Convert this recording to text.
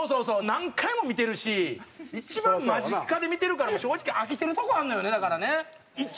何回も見てるし一番間近で見てるから正直飽きてるとこあるのよねだからね。